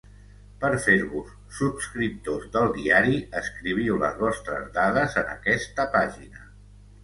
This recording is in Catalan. Per fer-vos subscriptors del diari, escriviu les vostres dades en aquesta pàgina.